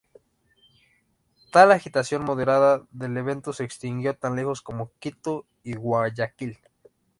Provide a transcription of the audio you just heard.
Tal agitación moderada del evento se extendió tan lejos como Quito y Guayaquil.